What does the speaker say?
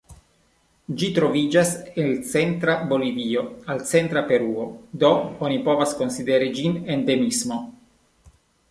Ĝi troviĝas el centra Bolivio al centra Peruo, do oni povas konsideri ĝin endemismo.